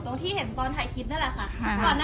ที่เห็นตอนถ่ายคลิปนั่นแหละค่ะ